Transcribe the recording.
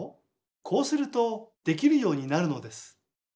こうするとできるようになるのです。